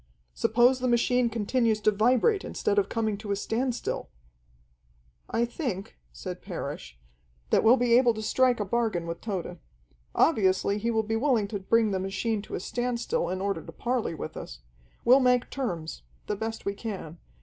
"Suppose the machine continues to vibrate instead of coming to a standstill?" "I think," said Parrish, "that we'll be able to strike a bargain with Tode. Obviously he will be willing to bring the machine to a standstill in order to parley with us. We'll make terms the best we can.